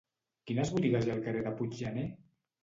Quines botigues hi ha al carrer de Puiggener?